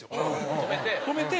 止めて。